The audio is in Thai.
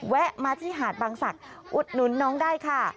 แวะมาที่หาดบางศักดิ์อุดหนุนน้องได้ค่ะ